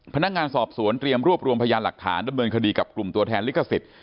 พนักงานสอบสวนเตรียมรวบรวมพยานหลักฐานดำเนินคดีกับกลุ่มตัวแทนลิขสิทธิ์